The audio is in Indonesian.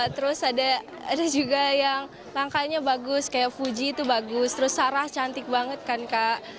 terus ada juga yang langkahnya bagus kayak fuji itu bagus terus sarah cantik banget kan kak